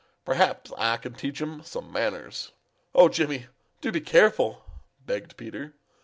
"Perhaps I can teach him some manners." "Oh, Jimmy, do be careful!" begged Peter.